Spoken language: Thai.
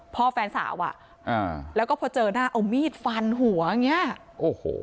แฟนสาวอ่ะอ่าแล้วก็พอเจอหน้าเอามีดฟันหัวอย่างเงี้ยโอ้โห